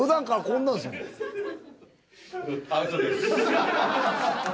アウトです。